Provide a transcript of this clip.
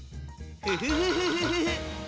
フフフフフフフ！